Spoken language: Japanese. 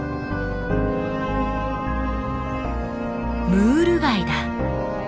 ムール貝だ。